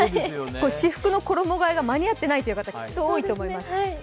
私服の衣がえが間に合っていないという方、多いと思います。